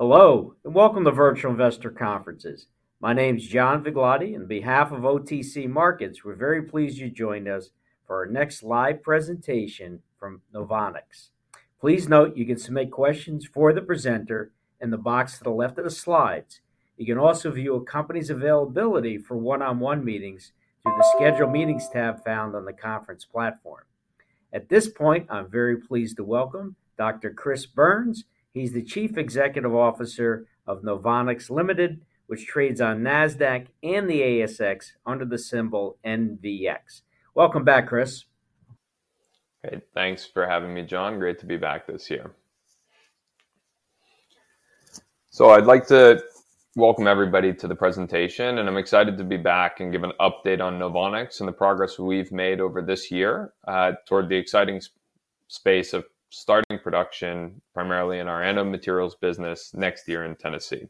Hello, and welcome to Virtual Investor Conferences. My name is John Viglotti. On behalf of OTC Markets, we're very pleased you joined us for our next live presentation from Novonix. Please note you can submit questions for the presenter in the box to the left of the slides. You can also view a company's availability for one-on-one meetings through the Schedule Meetings tab found on the conference platform. At this point, I'm very pleased to welcome Dr. Chris Burns. He's the Chief Executive Officer of Novonix Limited, which trades on NASDAQ and the ASX under the symbol NVX. Welcome back, Chris. Hey, thanks for having me, John. Great to be back this year. I'd like to welcome everybody to the presentation, and I'm excited to be back and give an update on Novonix and the progress we've made over this year toward the exciting space of starting production, primarily in our anode materials business next year in Tennessee.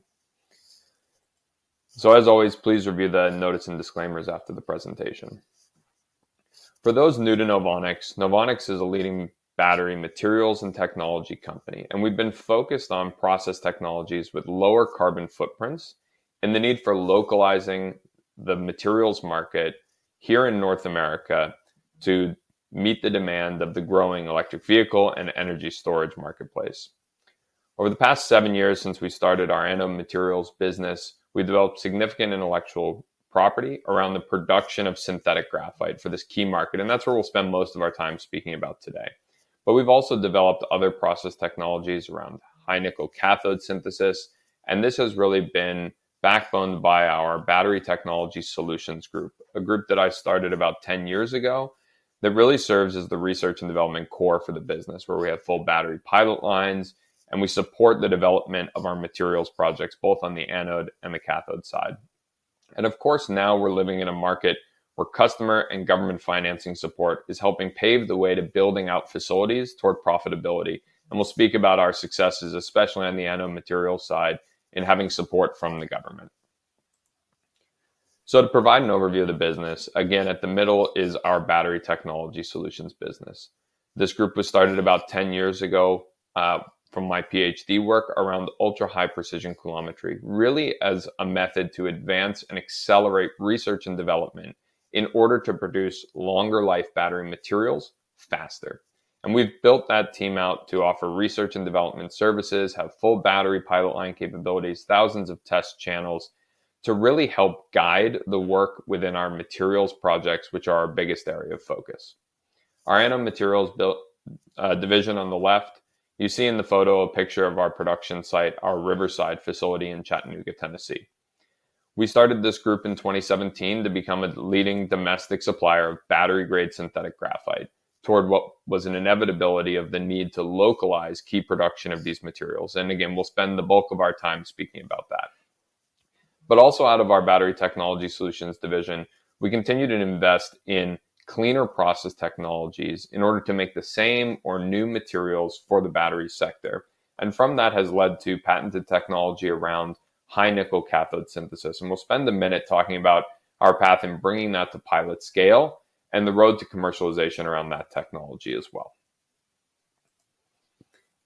As always, please review the notice and disclaimers after the presentation. For those new to Novonix, Novonix is a leading battery materials and technology company, and we've been focused on process technologies with lower carbon footprints and the need for localizing the materials market here in North America to meet the demand of the growing electric vehicle and energy storage marketplace. Over the past seven years since we started our anode materials business, we developed significant intellectual property around the production of synthetic graphite for this key market, and that's where we'll spend most of our time speaking about today, but we've also developed other process technologies around high nickel cathode synthesis, And this has really been backed on by our Battery Technology Solutions group, a group that I started about ten years ago that really serves as the research and development core for the business, where we have full battery pilot lines, and we support the development of our materials projects, both on the anode and the cathode side, and of course, now we're living in a market where customer and government financing support is helping pave the way to building out facilities toward profitability. And we'll speak about our successes, especially on the anode materials side, in having support from the government. So to provide an overview of the business, again, at the middle is our Battery Technology Solutions business. This group was started about ten years ago from my PhD work around ultra-high precision coulometry, really as a method to advance and accelerate research and development in order to produce longer life battery materials faster. And we've built that team out to offer research and development services, have full battery pilot line capabilities, thousands of test channels to really help guide the work within our materials projects, which are our biggest area of focus. Our anode materials business division on the left, you see in the photo a picture of our production site, our Riverside facility in Chattanooga, Tennessee. We started this group in 2017 to become a leading domestic supplier of battery-grade synthetic graphite toward what was an inevitability of the need to localize key production of these materials, and again, we'll spend the bulk of our time speaking about that, but also out of our Battery Technology Solutions division, we continue to invest in cleaner process technologies in order to make the same or new materials for the battery sector, And from that has led to patented technology around high nickel cathode synthesis, and we'll spend a minute talking about our path in bringing that to pilot scale and the road to commercialization around that technology as well,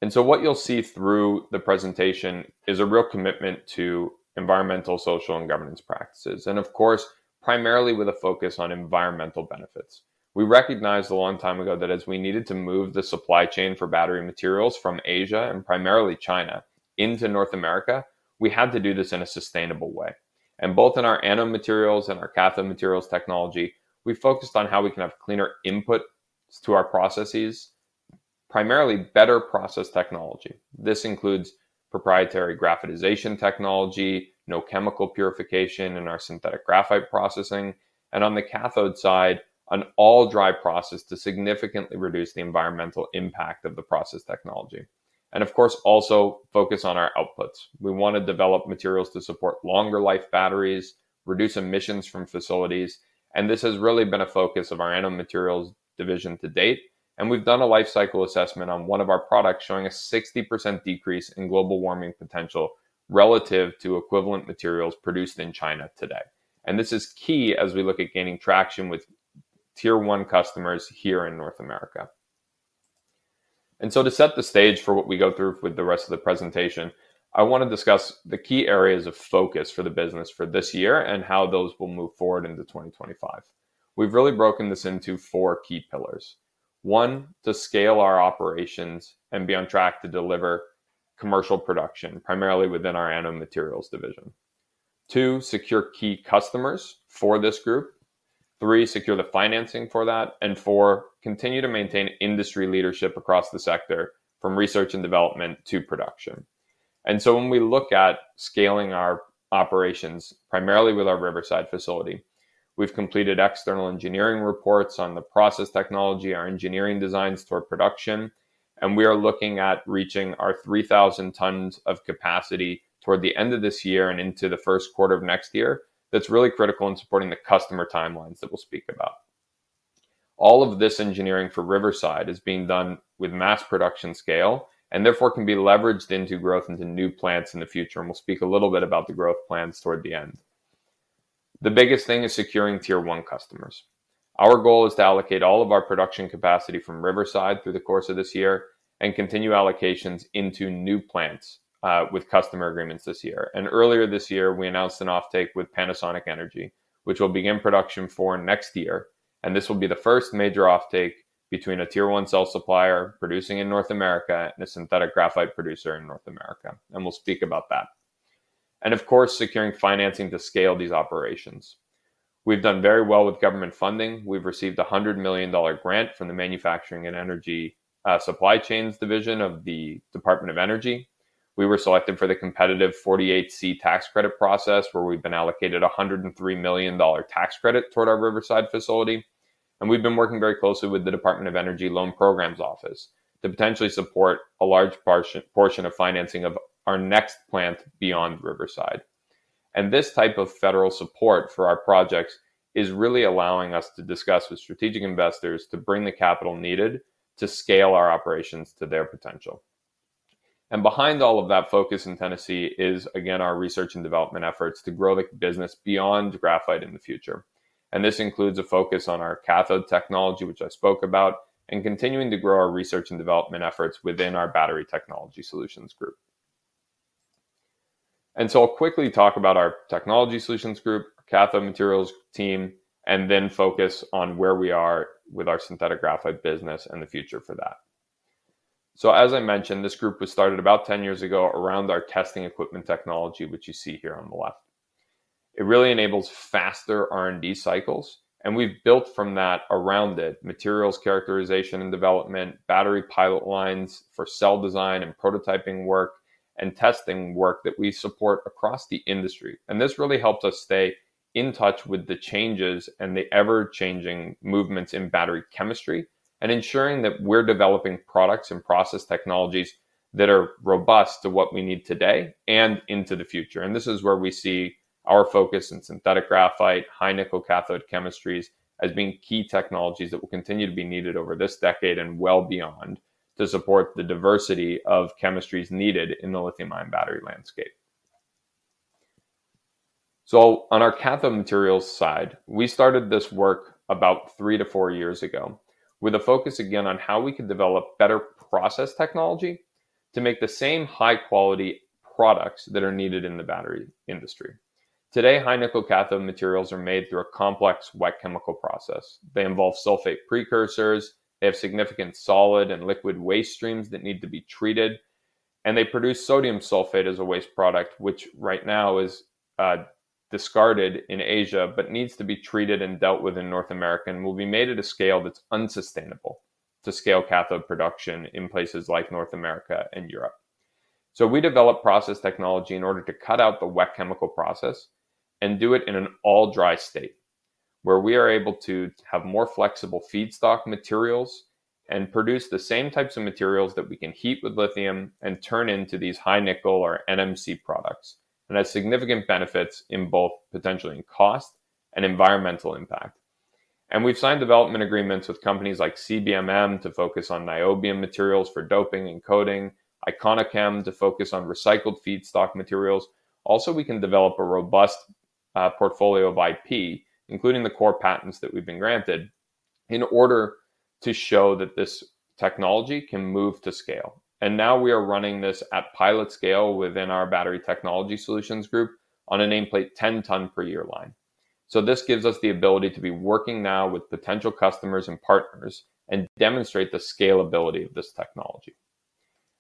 and so what you'll see through the presentation is a real commitment to environmental, social, and governance practices, and of course, primarily with a focus on environmental benefits. We recognized a long time ago that as we needed to move the supply chain for battery materials from Asia and primarily China into North America, we had to do this in a sustainable way. And both in our anode materials and our cathode materials technology, we focused on how we can have cleaner input to our processes, primarily better process technology. This includes proprietary graphitization technology, no chemical purification in our synthetic graphite processing, and on the cathode side, an all-dry process to significantly reduce the environmental impact of the process technology. And of course, also focus on our outputs. We want to develop materials to support longer life batteries, reduce emissions from facilities, and this has really been a focus of our anode materials division to date, and we've done a life cycle assessment on one of our products, showing a 60% decrease in global warming potential relative to equivalent materials produced in China today. This is key as we look at gaining traction with Tier 1 customers here in North America. To set the stage for what we go through with the rest of the presentation, I want to discuss the key areas of focus for the business for this year and how those will move forward into 2025. We've really broken this into four key pillars. One, to scale our operations and be on track to deliver commercial production, primarily within our anode materials division. Two, secure key customers for this group. Three, secure the financing for that. And four, continue to maintain industry leadership across the sector, from research and development to production. And so when we look at scaling our operations, primarily with our Riverside facility, we've completed external engineering reports on the process technology, our engineering designs toward production, and we are looking at reaching our 3,000 tons of capacity toward the end of this year and into the first quarter of next year. That's really critical in supporting the customer timelines that we'll speak about. All of this engineering for Riverside is being done with mass production scale and therefore can be leveraged into growth into new plants in the future, and we'll speak a little bit about the growth plans toward the end. The biggest thing is securing Tier 1 customers. Our goal is to allocate all of our production capacity from Riverside through the course of this year and continue allocations into new plants, with customer agreements this year, and earlier this year, we announced an offtake with Panasonic Energy, which will begin production for next year, and this will be the first major offtake between a Tier 1 cell supplier producing in North America and a synthetic graphite producer in North America, and we'll speak about that, and of course, securing financing to scale these operations. We've done very well with government funding. We've received a $100 million grant from the Manufacturing and Energy Supply Chains division of the Department of Energy. We were selected for the competitive 48C tax credit process, where we've been allocated $103 million tax credit toward our Riverside facility, and we've been working very closely with the Department of Energy Loan Programs Office to potentially support a large portion of financing of our next plant beyond Riverside. And this type of federal support for our projects is really allowing us to discuss with strategic investors to bring the capital needed to scale our operations to their potential. And behind all of that focus in Tennessee is, again, our research and development efforts to grow the business beyond graphite in the future. And this includes a focus on our cathode technology, which I spoke about, and continuing to grow our research and development efforts within our battery technology solutions group. And so I'll quickly talk about our technology solutions group, cathode materials team, and then focus on where we are with our synthetic graphite business and the future for that. So as I mentioned, this group was started about ten years ago around our testing equipment technology, which you see here on the left. It really enables faster R&D cycles, and we've built from that around it: materials characterization and development, battery pilot lines for cell design and prototyping work, and testing work that we support across the industry. And this really helps us stay in touch with the changes and the ever-changing movements in battery chemistry and ensuring that we're developing products and process technologies that are robust to what we need today and into the future. And this is where we see our focus in synthetic graphite, high nickel cathode chemistries, as being key technologies that will continue to be needed over this decade and well beyond, to support the diversity of chemistries needed in the lithium-ion battery landscape. So on our cathode materials side, we started this work about three to four years ago, with a focus again on how we could develop better process technology to make the same high-quality products that are needed in the battery industry. Today, high nickel cathode materials are made through a complex wet chemical process. They involve sulfate precursors, they have significant solid and liquid waste streams that need to be treated, and they produce sodium sulfate as a waste product, which right now is discarded in Asia, but needs to be treated and dealt with in North America and will be made at a scale that's unsustainable to scale cathode production in places like North America and Europe. So we developed process technology in order to cut out the wet chemical process and do it in an all-dry state, where we are able to have more flexible feedstock materials and produce the same types of materials that we can heat with lithium and turn into these high nickel or NMC products, and has significant benefits in both potentially in cost and environmental impact. And we've signed development agreements with companies like CBMM to focus on niobium materials for doping and coating, ICoNiChem to focus on recycled feedstock materials. Also, we can develop a robust portfolio of IP, including the core patents that we've been granted, in order to show that this technology can move to scale. And now we are running this at pilot scale within our battery technology solutions group on a nameplate 10-ton per year line. So this gives us the ability to be working now with potential customers and partners and demonstrate the scalability of this technology.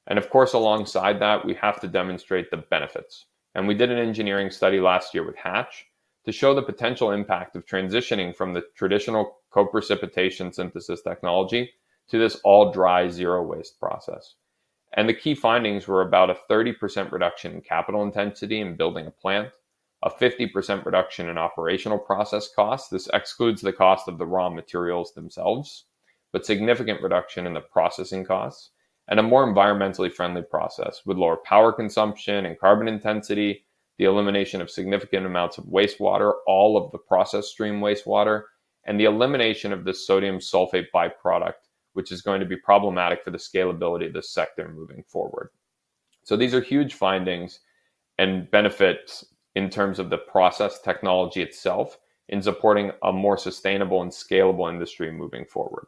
And of course, alongside that, we have to demonstrate the benefits. And we did an engineering study last year with Hatch to show the potential impact of transitioning from the traditional co-precipitation synthesis technology to this all-dry, zero-waste process. The key findings were about a 30% reduction in capital intensity in building a plant, a 50% reduction in operational process costs. This excludes the cost of the raw materials themselves, but significant reduction in the processing costs and a more environmentally friendly process with lower power consumption and carbon intensity, the elimination of significant amounts of wastewater, All of the process stream wastewater, and the elimination of the sodium sulfate by-product, which is going to be problematic for the scalability of this sector moving forward. These are huge findings and benefits in terms of the process technology itself in supporting a more sustainable and scalable industry moving forward.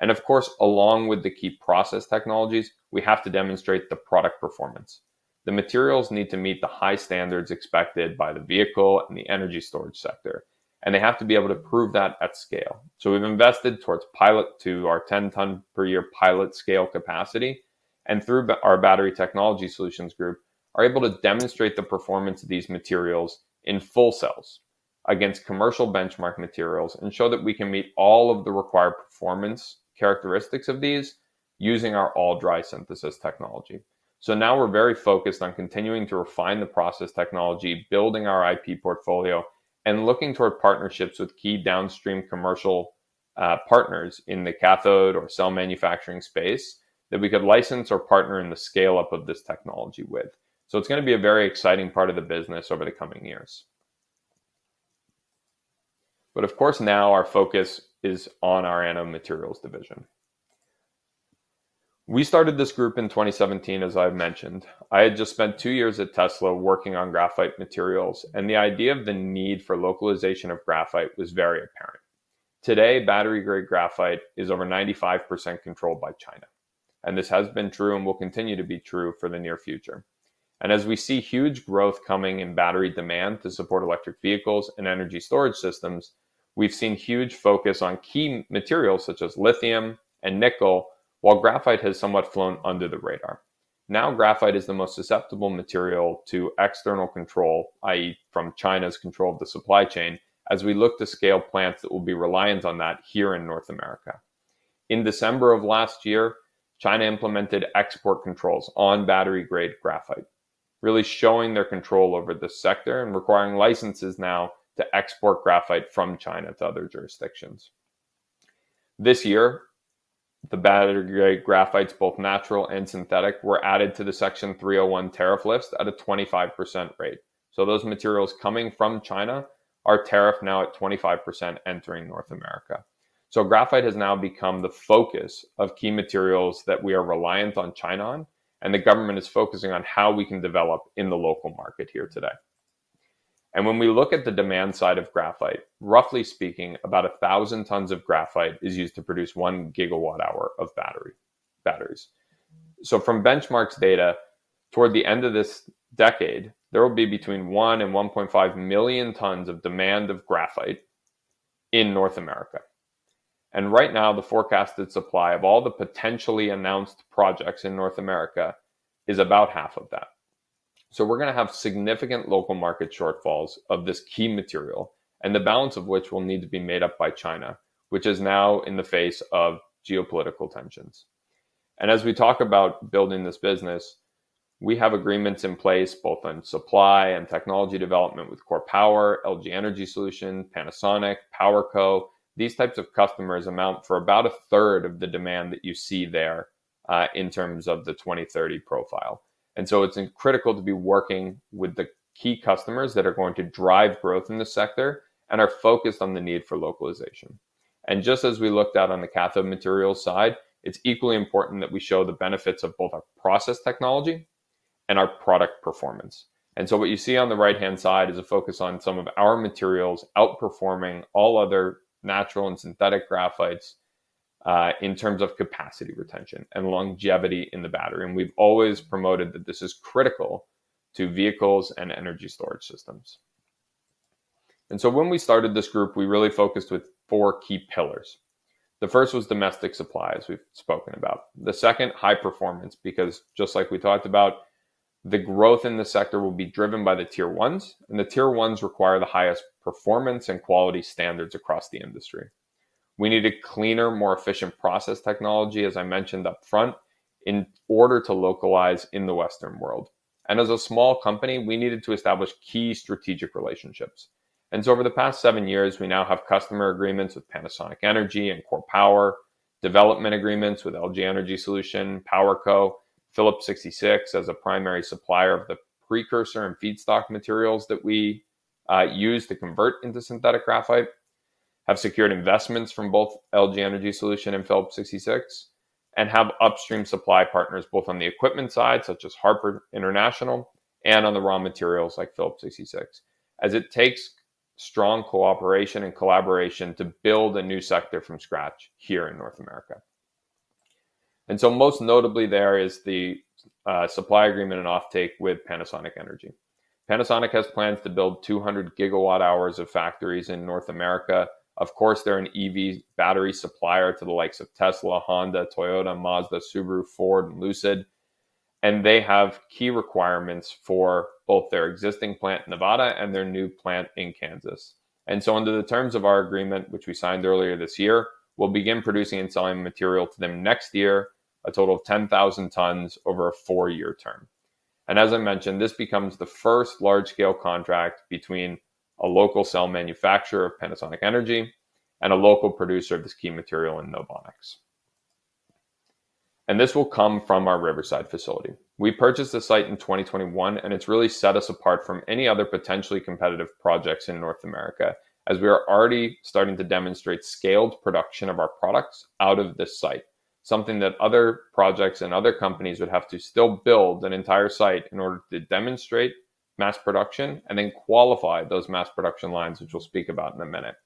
Of course, along with the key process technologies, we have to demonstrate the product performance. The materials need to meet the high standards expected by the vehicle and the energy storage sector, and they have to be able to prove that at scale. So we've invested towards pilot to our 10-ton per year pilot scale capacity, and through our battery technology solutions group, are able to demonstrate the performance of these materials in full cells against commercial benchmark materials and show that we can meet all of the required performance characteristics of these using our all-dry synthesis technology. So now we're very focused on continuing to refine the process technology, building our IP portfolio, and looking toward partnerships with key downstream commercial partners in the cathode or cell manufacturing space that we could license or partner in the scale-up of this technology with. So it's gonna be a very exciting part of the business over the coming years. But of course, now our focus is on our anode materials division. We started this group in 2017, as I've mentioned. I had just spent two years at Tesla working on graphite materials, and the idea of the need for localization of graphite was very apparent. Today, battery-grade graphite is over 95% controlled by China, and this has been true and will continue to be true for the near future. And as we see huge growth coming in battery demand to support electric vehicles and energy storage systems, we've seen huge focus on key materials such as lithium and nickel, while graphite has somewhat flown under the radar. Now, graphite is the most susceptible material to external control, i.e., from China's control of the supply chain as we look to scale plants that will be reliant on that here in North America. In December of last year, China implemented export controls on battery-grade graphite, really showing their control over the sector and requiring licenses now to export graphite from China to other jurisdictions. This year, the battery-grade graphites, both natural and synthetic, were added to the Section 301 tariff list at a 25% rate. So those materials coming from China are tariffed now at 25% entering North America. So graphite has now become the focus of key materials that we are reliant on China on, and the government is focusing on how we can develop in the local market here today. And when we look at the demand side of graphite, roughly speaking, about a thousand tons of graphite is used to produce one gigawatt hour of batteries. From benchmarks data, toward the end of this decade, there will be between one and 1.5 million tons of demand of graphite in North America. Right now, the forecasted supply of all the potentially announced projects in North America is about half of that. We're gonna have significant local market shortfalls of this key material, and the balance of which will need to be made up by China, which is now in the face of geopolitical tensions. As we talk about building this business, we have agreements in place both on supply and technology development with KORE Power, LG Energy Solution, Panasonic, PowerCo. These types of customers account for about a third of the demand that you see there, in terms of the 2030 profile. And so it's critical to be working with the key customers that are going to drive growth in the sector and are focused on the need for localization. And just as we looked out on the cathode material side, it's equally important that we show the benefits of both our process technology and our product performance. And so what you see on the right-hand side is a focus on some of our materials, outperforming all other natural and synthetic graphites in terms of capacity, retention, and longevity in the battery. And we've always promoted that this is critical to vehicles and energy storage systems. And so when we started this group, we really focused with four key pillars. The first was domestic supply, as we've spoken about. The second, high performance, because just like we talked about, the growth in the sector will be driven by the Tier 1s, and the Tier 1s require the highest performance and quality standards across the industry. We need a cleaner, more efficient process technology, as I mentioned up front, in order to localize in the Western world. And as a small company, we needed to establish key strategic relationships. Over the past seven years, we now have customer agreements with Panasonic Energy and KORE Power, development agreements with LG Energy Solution, PowerCo, Phillips 66, as a primary supplier of the precursor and feedstock materials that we use to convert into synthetic graphite. We have secured investments from both LG Energy Solution and Phillips 66. We have upstream supply partners, both on the equipment side, such as Harper International, and on the raw materials like Phillips 66, as it takes strong cooperation and collaboration to build a new sector from scratch here in North America. Most notably, there is the supply agreement and offtake with Panasonic Energy. Panasonic has plans to build 200 gigawatt hours of factories in North America. Of course, they're an EV battery supplier to the likes of Tesla, Honda, Toyota, Mazda, Subaru, Ford, and Lucid, and they have key requirements for both their existing plant in Nevada and their new plant in Kansas. And so under the terms of our agreement, which we signed earlier this year, we'll begin producing and selling material to them next year, a total of 10,000 tons over a four-year term. And as I mentioned, this becomes the first large-scale contract between a local cell manufacturer, Panasonic Energy, and a local producer of this key material in Novonix. And this will come from our Riverside facility. We purchased the site in 2021, and it's really set us apart from any other potentially competitive projects in North America, as we are already starting to demonstrate scaled production of our products out of this site. Something that other projects and other companies would have to still build an entire site in order to demonstrate mass production and then qualify those mass production lines, which we'll speak about in a minute.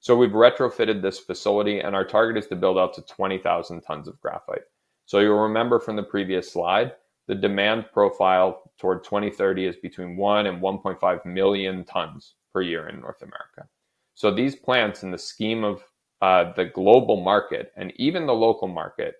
So we've retrofitted this facility, and our target is to build out to 20,000 tons of graphite. So you'll remember from the previous slide, the demand profile toward 2030 is between 1 and 1.5 million tons per year in North America. So these plants, in the scheme of the global market and even the local market,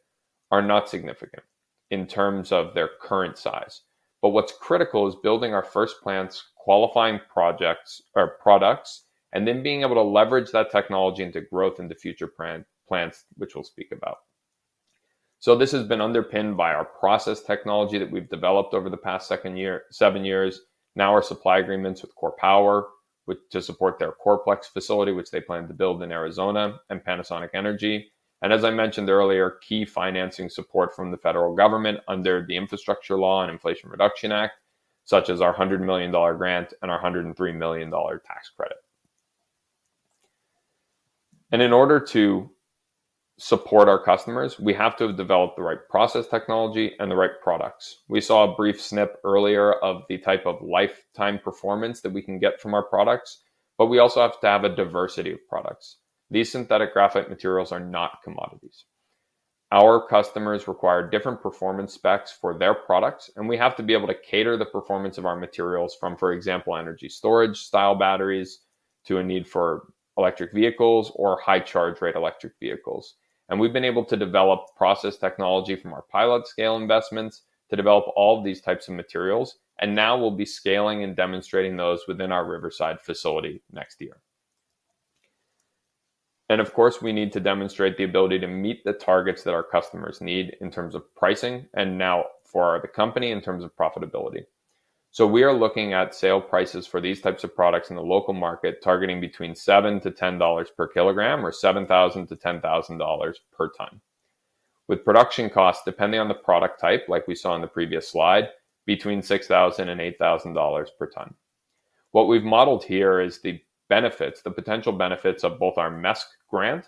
are not significant in terms of their current size. But what's critical is building our first plants, qualifying projects or products, and then being able to leverage that technology into growth in the future plants, which we'll speak about. So this has been underpinned by our process technology that we've developed over the past seven years. Now, our supply agreements with KORE Power, which to support their KOREPlex facility, which they plan to build in Arizona and Panasonic Energy. And as I mentioned earlier, key financing support from the federal government under the Infrastructure Law and Inflation Reduction Act, such as our $100 million grant and our $103 million tax credit. And in order to support our customers, we have to have developed the right process technology and the right products. We saw a brief snip earlier of the type of lifetime performance that we can get from our products, but we also have to have a diversity of products. These synthetic graphite materials are not commodities. Our customers require different performance specs for their products, and we have to be able to cater the performance of our materials from, for example, energy storage style batteries, to a need for electric vehicles or high charge rate electric vehicles. And we've been able to develop process technology from our pilot scale investments to develop all of these types of materials, and now we'll be scaling and demonstrating those within our Riverside facility next year. And of course, we need to demonstrate the ability to meet the targets that our customers need in terms of pricing and now for the company in terms of profitability. So we are looking at sale prices for these types of products in the local market, targeting between $7-$10 per kilogram or $7,000-$10,000 per ton. With production costs, depending on the product type, like we saw in the previous slide, between $6,000 and $8,000 per ton. What we've modeled here is the benefits, the potential benefits of both our MESC grant,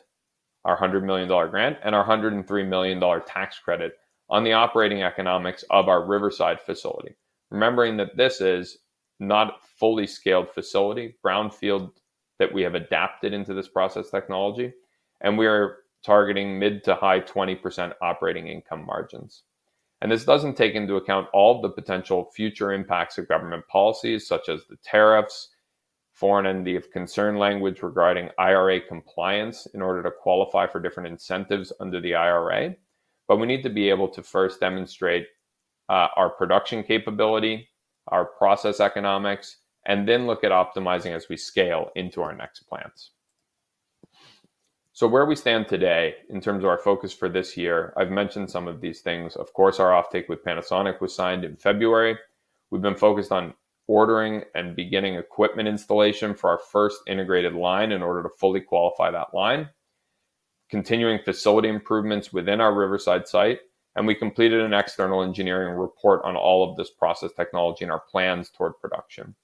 our $100 million grant, and our $103 million tax credit on the operating economics of our Riverside facility. Remembering that this is not fully scaled facility, brownfield that we have adapted into this process technology, and we are targeting mid- to high 20% operating income margins. This doesn't take into account all the potential future impacts of government policies, such as the tariffs, Foreign Entity of Concern language regarding IRA compliance in order to qualify for different incentives under the IRA. But we need to be able to first demonstrate our production capability, our process economics, and then look at optimizing as we scale into our next plants. So where we stand today in terms of our focus for this year, I've mentioned some of these things. Of course, our offtake with Panasonic was signed in February. We've been focused on ordering and beginning equipment installation for our first integrated line in order to fully qualify that line, continuing facility improvements within our Riverside site, and we completed an external engineering report on all of this process technology and our plans toward production.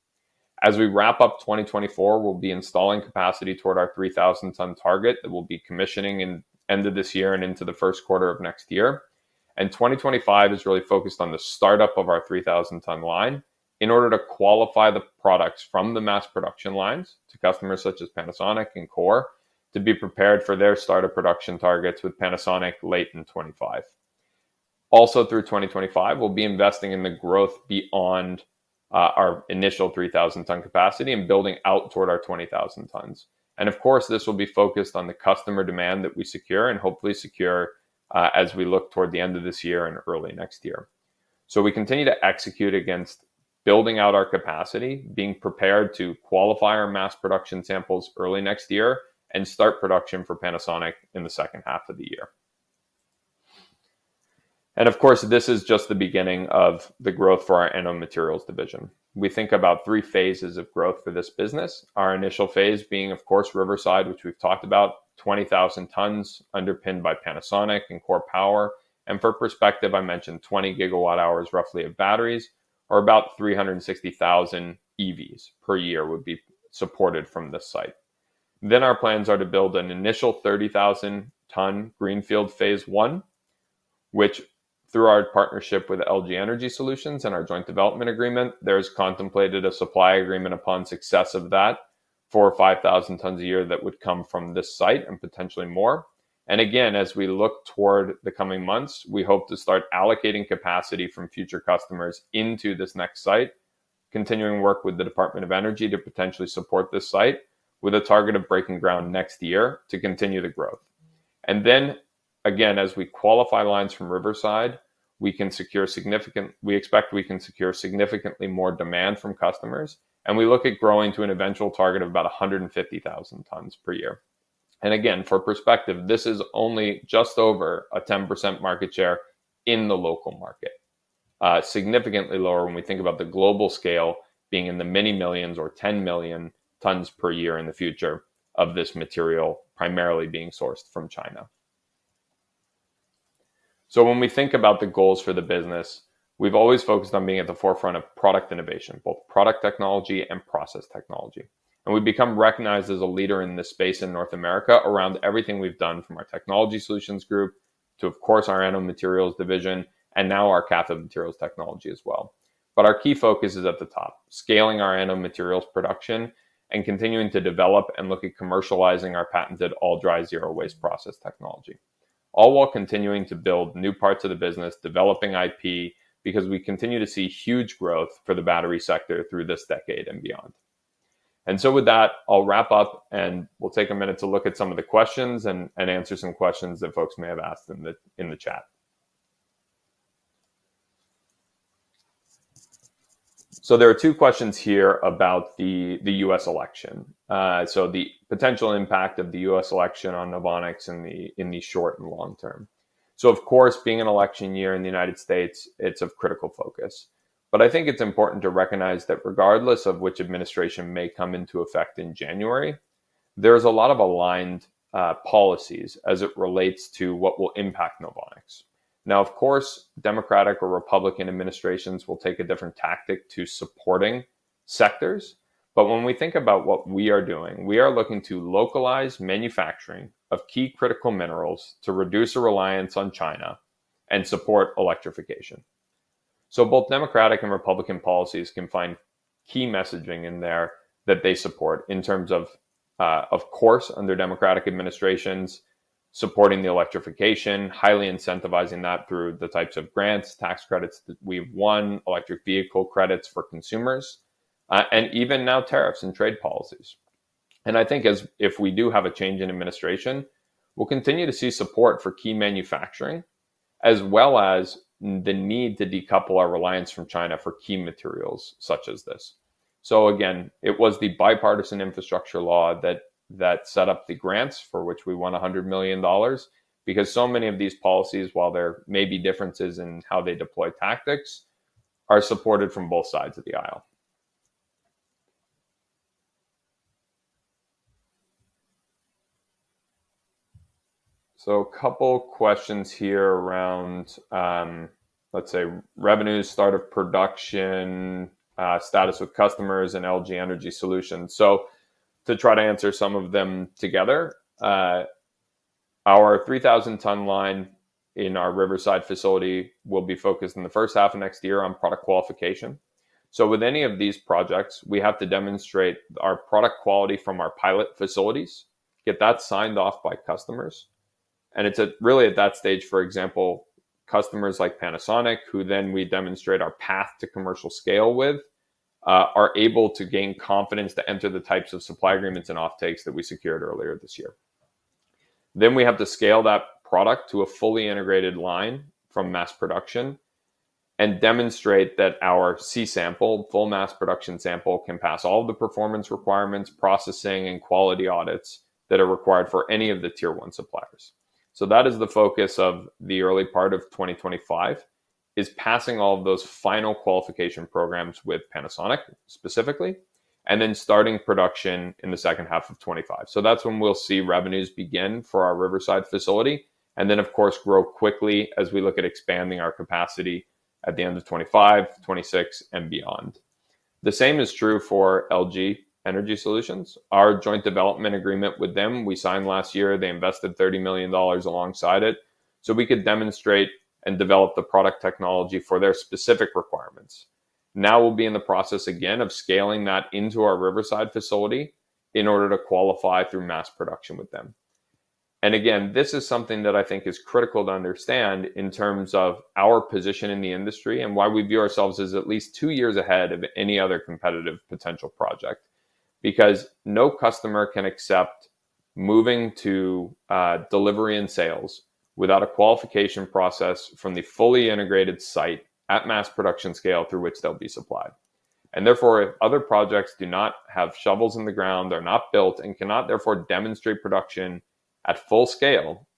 As we wrap up 2024, we'll be installing capacity toward our 3,000-ton target that will be commissioning in end of this year and into the first quarter of next year. And twenty twenty-five is really focused on the startup of our 3,000-ton line in order to qualify the products from the mass production lines to customers such as Panasonic and KORE, to be prepared for their start of production targets with Panasonic late in twenty-five. Also, through twenty twenty-five, we'll be investing in the growth beyond our initial 3,000-ton capacity and building out toward our 20,000 tons. And of course, this will be focused on the customer demand that we secure and hopefully secure as we look toward the end of this year and early next year. So we continue to execute against building out our capacity, being prepared to qualify our mass production samples early next year, and start production for Panasonic in the second half of the year. Of course, this is just the beginning of the growth for our anode materials division. We think about three phases of growth for this business. Our initial phase being, of course, Riverside, which we've talked about, 20,000 tons underpinned by Panasonic and KORE Power. For perspective, I mentioned 20 gigawatt hours roughly of batteries, or about 360,000 EVs per year would be supported from this site. Our plans are to build an initial 30,000-ton greenfield phase one, which through our partnership with LG Energy Solutions and our joint development agreement, there's contemplated a supply agreement upon success of that, 4,000-5,000 tons a year that would come from this site and potentially more. And again, as we look toward the coming months, we hope to start allocating capacity from future customers into this next site, continuing work with the Department of Energy to potentially support this site with a target of breaking ground next year to continue the growth. And then, again, as we qualify lines from Riverside, we can secure significantly more demand from customers, and we look at growing to an eventual target of about 150,000 tons per year. And again, for perspective, this is only just over a 10% market share in the local market. Significantly lower when we think about the global scale being in the many millions or 10 million tons per year in the future of this material, primarily being sourced from China. When we think about the goals for the business, we've always focused on being at the forefront of product innovation, both product technology and process technology. We've become recognized as a leader in this space in North America around everything we've done, from our technology solutions group to, of course, our anode materials division, and now our cathode materials technology as well. Our key focus is at the top, scaling our anode materials production and continuing to develop and look at commercializing our patented all dry, zero waste process technology. All while continuing to build new parts of the business, developing IP, because we continue to see huge growth for the battery sector through this decade and beyond. And so with that, I'll wrap up, and we'll take a minute to look at some of the questions and answer some questions that folks may have asked in the chat. So there are two questions here about the U.S. election. So the potential impact of the U.S. election on Novonix in the short and long term. So of course, being an election year in the United States, it's of critical focus. But I think it's important to recognize that regardless of which administration may come into effect in January, there's a lot of aligned policies as it relates to what will impact Novonix... Now, of course, Democratic or Republican administrations will take a different tactic to supporting sectors. But when we think about what we are doing, we are looking to localize manufacturing of key critical minerals to reduce the reliance on China and support electrification. So both Democratic and Republican policies can find key messaging in there that they support in terms of, of course, under Democratic administrations, supporting the electrification, highly incentivizing that through the types of grants, tax credits that we've won, electric vehicle credits for consumers, and even now, tariffs and trade policies. And I think as if we do have a change in administration, we'll continue to see support for key manufacturing, as well as the need to decouple our reliance from China for key materials such as this. So again, it was the bipartisan infrastructure law that set up the grants for which we won $100 million, because so many of these policies, while there may be differences in how they deploy tactics, are supported from both sides of the aisle. So a couple questions here around, let's say, revenues, start of production, status with customers and LG Energy Solutions. So to try to answer some of them together, our 3,000-ton line in our Riverside facility will be focused in the first half of next year on product qualification. So with any of these projects, we have to demonstrate our product quality from our pilot facilities, get that signed off by customers, and it's at, really at that stage, for example, customers like Panasonic, who then we demonstrate our path to commercial scale with, are able to gain confidence to enter the types of supply agreements and offtakes that we secured earlier this year. Then we have to scale that product to a fully integrated line from mass production and demonstrate that our C sample, full mass production sample, can pass all the performance requirements, processing, and quality audits that are required for any of the Tier 1 suppliers. So that is the focus of the early part of twenty twenty-five, is passing all of those final qualification programs with Panasonic, specifically, and then starting production in the second half of twenty-five. That's when we'll see revenues begin for our Riverside facility and then, of course, grow quickly as we look at expanding our capacity at the end of 2025, 2026 and beyond. The same is true for LG Energy Solutions. Our joint development agreement with them, we signed last year. They invested $30 million alongside it, so we could demonstrate and develop the product technology for their specific requirements. Now, we'll be in the process again of scaling that into our Riverside facility in order to qualify through mass production with them. And again, this is something that I think is critical to understand in terms of our position in the industry and why we view ourselves as at least two years ahead of any other competitive potential project. Because no customer can accept moving to delivery and sales without a qualification process from the fully integrated site at mass production scale, through which they'll be supplied. And therefore, if other projects do not have shovels in the ground, they're not built and cannot therefore demonstrate production at full scale,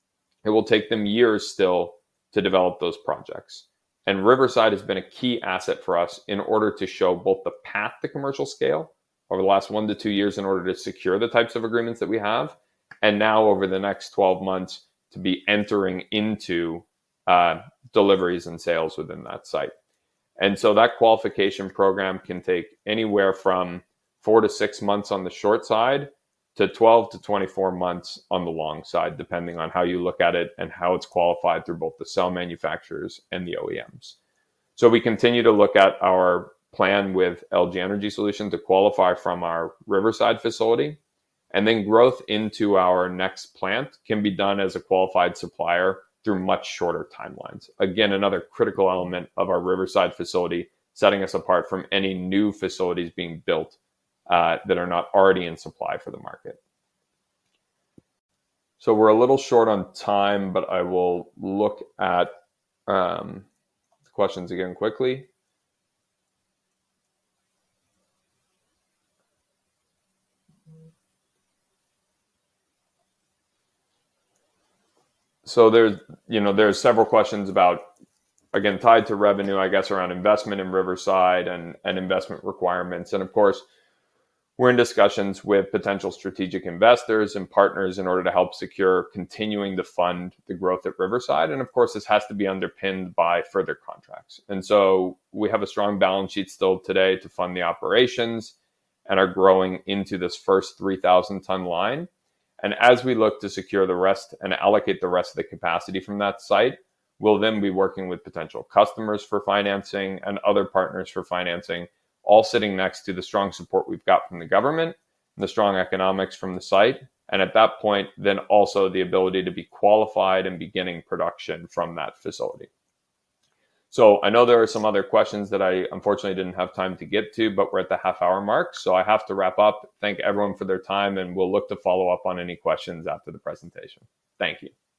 it will take them years still to develop those projects. And Riverside has been a key asset for us in order to show both the path to commercial scale over the last one to two years, in order to secure the types of agreements that we have, and now over the next twelve months, to be entering into deliveries and sales within that site. So that qualification program can take anywhere from four to six months on the short side, to 12-24 months on the long side, depending on how you look at it and how it's qualified through both the cell manufacturers and the OEMs. So we continue to look at our plan with LG Energy Solution to qualify from our Riverside facility, and then growth into our next plant can be done as a qualified supplier through much shorter timelines. Again, another critical element of our Riverside facility, setting us apart from any new facilities being built, that are not already in supply for the market. So we're a little short on time, but I will look at the questions again quickly. So there's, you know, there's several questions about, again, tied to revenue, I guess, around investment in Riverside and investment requirements. Of course, we're in discussions with potential strategic investors and partners in order to help secure continuing to fund the growth at Riverside. Of course, this has to be underpinned by further contracts. So we have a strong balance sheet still today to fund the operations and are growing into this first 3,000-ton line. As we look to secure the rest and allocate the rest of the capacity from that site, we'll then be working with potential customers for financing and other partners for financing, all sitting next to the strong support we've got from the government, the strong economics from the site, and at that point, then also the ability to be qualified and beginning production from that facility. So I know there are some other questions that I unfortunately didn't have time to get to, but we're at the half-hour mark, so I have to wrap up. Thank everyone for their time, and we'll look to follow up on any questions after the presentation. Thank you.